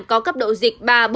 có cấp độ dịch ba bốn